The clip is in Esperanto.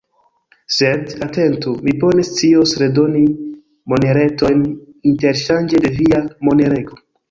Sed, atentu: mi bone scios redoni moneretojn interŝanĝe de via monerego.